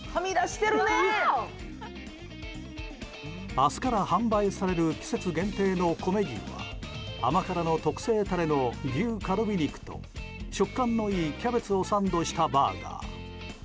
明日から販売される季節限定のコメ牛は甘辛の特製タレの牛カルビ肉と食感のいいキャベツをサンドしたバーガー。